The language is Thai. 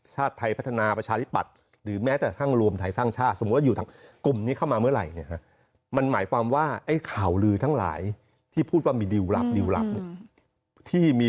ชาติไทยพัฒนาประชาธิปัตย์หรือแม้แต่ท่างรวมไทยสร้างชาติ